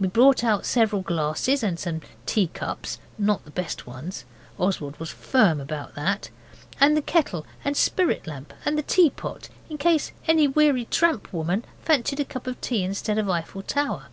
We brought out several glasses and some teacups not the best ones, Oswald was firm about that and the kettle and spirit lamp and the tea pot, in case any weary tramp woman fancied a cup of tea instead of Eiffel Tower.